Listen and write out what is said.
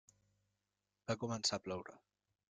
Va començar a ploure.